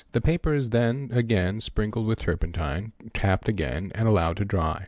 The paper is then again sprinkled with turpen tine, tapped again, and allowed to dry.